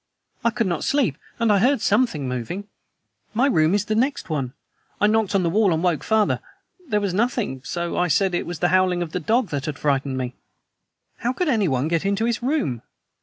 "I could not sleep, and I heard something moving. My room is the next one. I knocked on the wall and woke father. There was nothing; so I said it was the howling of the dog that had frightened me." "How could anyone get into his room?"